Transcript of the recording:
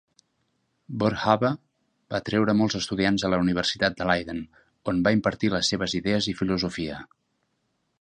Boerhaave va atreure molts estudiants a la Universitat de Leiden, on va impartir les seves idees i filosofia.